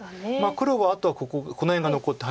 黒はあとはこの辺が残って。